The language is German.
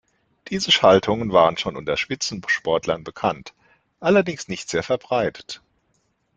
Diese Schaltungen waren schon unter Spitzensportlern bekannt, allerdings nicht sehr verbreitet.